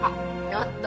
ちょっと。